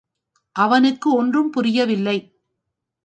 அவனுக்கு ஒன்றும் புரியவில்லை.